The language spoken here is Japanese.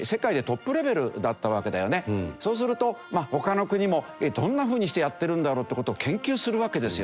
そうすると他の国もどんなふうにしてやってるんだろうって事を研究するわけですよね。